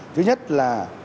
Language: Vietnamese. thứ nhất là